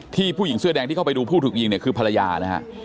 ผู้หญิงเสื้อแดงที่เข้าไปดูผู้ถูกยิงเนี่ยคือภรรยานะฮะ